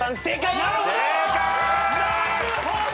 なるほど！